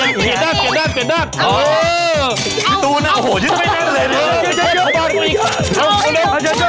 เอาให้ลงด้วย